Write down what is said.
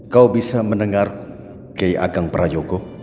kau bisa mendengar kei agang prayogo